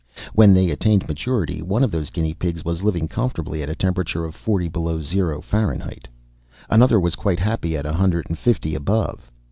When they attained maturity one of those guinea pigs was living comfortably at a temperature of forty below zero Fahrenheit, another was quite happy at a hundred and fifty above.